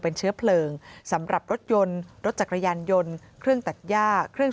เป็นเชื้อเพลิงสำหรับรถยนต์รถจักรยานยนต์เครื่องตัดย่าเครื่อง